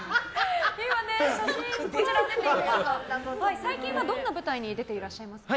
写真が出ていますが最近はどんな舞台に出ていらっしゃいますか？